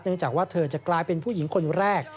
จากว่าเธอจะกลายเป็นผู้หญิงคนแรก